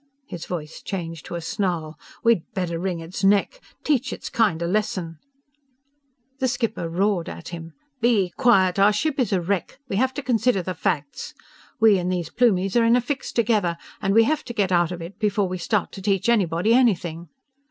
His voice changed to a snarl. "We'd better wring its neck! Teach its kind a lesson " The skipper roared at him. "Be quiet! Our ship is a wreck! We have to consider the facts! We and these Plumies are in a fix together, and we have to get out of it before we start to teach anybody anything!"